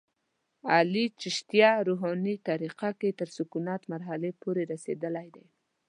علي چشتیه روحاني طریقه کې تر سکونت مرحلې پورې رسېدلی دی.